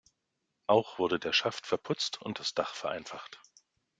Auch wurden der Schaft verputzt und das Dach vereinfacht.